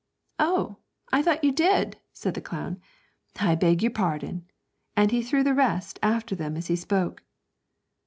'Oh, I thought you did,' said the clown, 'I beg your pardon;' and he threw the rest after them as he spoke.